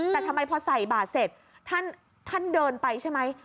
แต่ทำไมพอใส่บาทเสร็จท่านเดินไปใช่ไหม